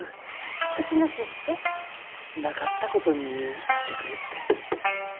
うちの就職？なかったことにしてくれって。